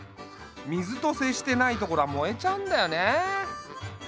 水と接してない所は燃えちゃうんだよね。